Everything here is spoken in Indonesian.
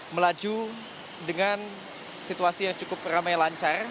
melaju dengan situasi yang cukup ramai lancar